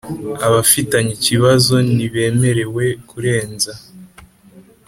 Abafitanye ikibazo ntibemerewe kurenza